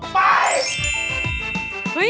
ไป